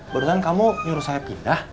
barusan kamu nyuruh saya pindah